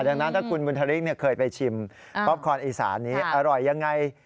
ดังนั้นถ้าคุณบุญธริกเคยไปชิมป๊อปคอนอีสานนี้อร่อยยังไง